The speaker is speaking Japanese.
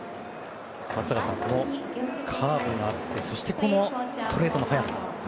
松坂さん、カーブがあってそしてこのストレートの速さ。